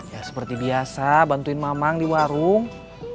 ya seperti biasa bantuin mamang di warung